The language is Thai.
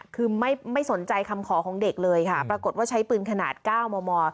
คือไม่สนใจคำขอของเด็กเลยค่ะปรากฏว่าใช้ปืนขนาด๙มม